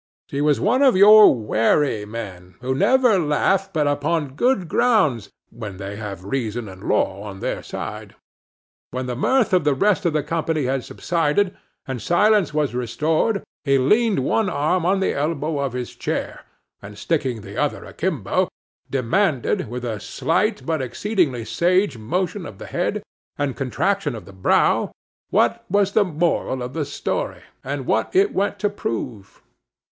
He was one of your wary men, who never laugh but upon good grounds when they have reason and law on their side. When the mirth of the rest of the company had subsided, and silence was restored, he leaned one arm on the elbow of his chair, and sticking the other akimbo, demanded, with a slight, but exceedingly sage motion of the head, and contraction of the brow, what was the moral of the story, and what it went to prove?